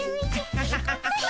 ハハハハハ。